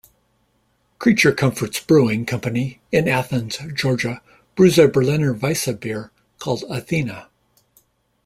Creature Comforts Brewing Company in Athens, Georgia brews a Berliner Weisse beer called Athena.